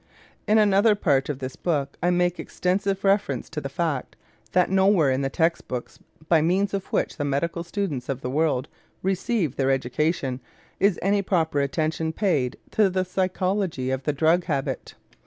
In another part of this book I make extensive reference to the fact that nowhere in the text books by means of which the medical students of the world receive their education is any proper attention paid to the psychology of the drug habit.